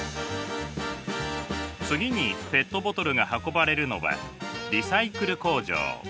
次にペットボトルが運ばれるのはリサイクル工場。